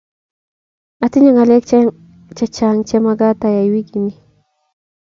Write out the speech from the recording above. atinye ngalek chechang chemagat ayay wiikit ni